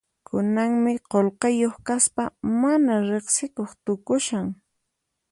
Kunanmi qullqiyuq kaspa mana riqsikuq tukushan.